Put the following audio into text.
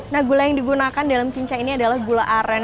nah gula yang digunakan dalam kinca ini adalah gula aren